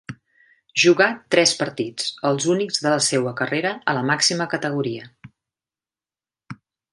Jugà tres partits, els únics de la seua carrera a la màxima categoria.